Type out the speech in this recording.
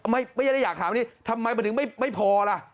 ไม่ได้อยากถามนี่ทำไมมันถึงไม่พอล่ะ